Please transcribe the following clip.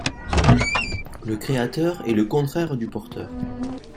Le créateur est le contraire du porteur.